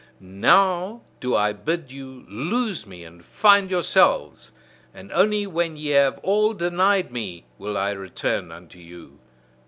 Now do I bid you lose me and find yourselves; and only when ye have all denied me, will I return unto you.